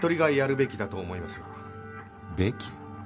「べき」？